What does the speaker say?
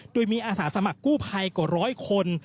โดยมีอาสาสมัครกู้ภัยกว่าร้อยคน